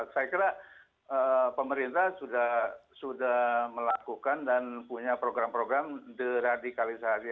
saya kira pemerintah sudah melakukan dan punya program program deradikalisasi